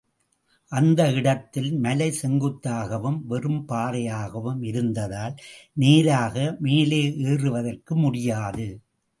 அந்த இடத்தில் மலை செங்குத்தாகவும், வெறும் பாறையாகவும் இருந்ததால் நேராக மேலே ஏறுவதற்கு முடியாது.